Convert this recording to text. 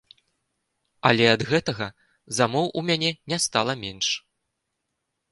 Але ад гэтага замоў у мяне не стала менш.